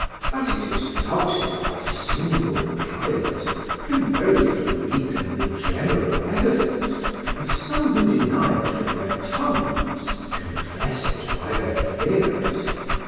That it is doubted by single cavillers can very little weaken the general evidence, and some who deny it with their tongues confess it by their fears.